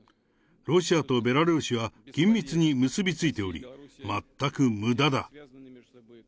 ロシアとベラルーシは、緊密に結び付いており、全くむだだ。